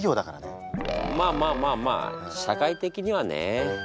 まあまあまあまあ社会的にはね。